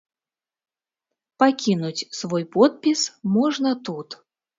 Пакінуць свой подпіс можна тут.